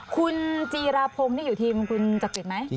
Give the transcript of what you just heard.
คุณจีราพงศ์นี่อยู่ทีมคุณจักริตไหม